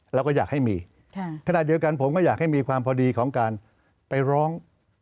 เราก็อยากให้มีขณะเดียวกันผมก็อยากให้มีความพอดีของการไปร้อง